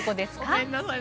ごめんなさい。